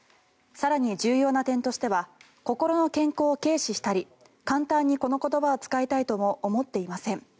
更に重要な点としては心の健康を軽視したり簡単にこの言葉を使いたいとも思っていません